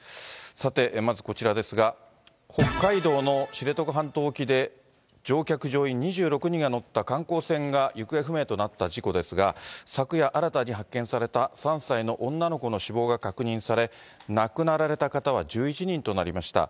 さて、まずこちらですが、北海道の知床半島沖で、乗客・乗員２６人が乗った観光船が行方不明となった事故ですが、昨夜新たに発見された３歳の女の子の死亡が確認され、亡くなられた方は１１人となりました。